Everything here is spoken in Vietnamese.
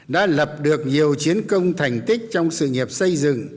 đã lập được nhiều chiến công thành tích trong sự nghiệp xây dựng